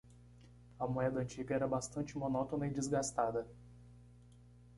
A moeda antiga era bastante monótona e desgastada.